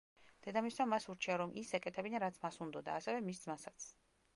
დედამისმა მას ურჩია რომ ის ეკეთებინა რაც მას უნდოდა, ასევე მის ძმასაც.